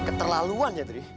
lu keterlaluan tau gak